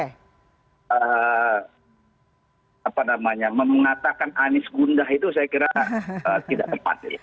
apa namanya mengatakan anies gundah itu saya kira tidak tepat ya